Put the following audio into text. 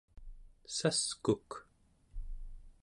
saskuk